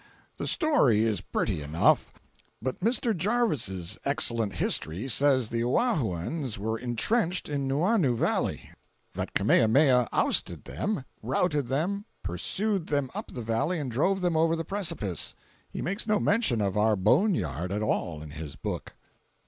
The story is pretty enough, but Mr. Jarves' excellent history says the Oahuans were intrenched in Nuuanu Valley; that Kamehameha ousted them, routed them, pursued them up the valley and drove them over the precipice. He makes no mention of our bone yard at all in his book.